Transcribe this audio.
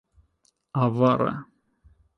Avara.